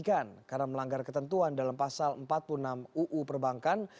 ojk melakukan penyelenggaraan karena melanggar ketentuan dalam pasal empat puluh enam uu perbankan